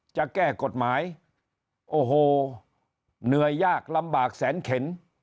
จะแก้กฎหมายโอ้โหเหนื่อยยากลำบากแสนเข็น